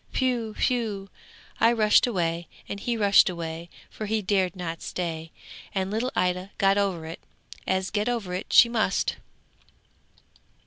Whew! whew! I rushed away, and he rushed away, for he dared not stay, and little Ida got over it, as get over it she must.